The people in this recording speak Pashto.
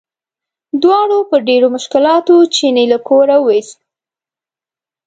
دواړو په ډېرو مشکلاتو چیني له کوره وویست.